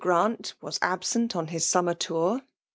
Orant was absent on his summer tour.